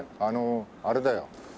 あのあれだよ